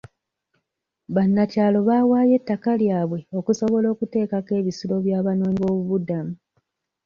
Bannakyalo baawaayo ettaka lyabwe okusobola okuteekako ebisulo by'abanoonyiboobubudamu.